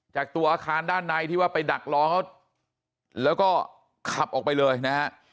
ตัวอาคารด้านในที่ว่าไปดักรอเขาแล้วก็ขับออกไปเลยนะฮะ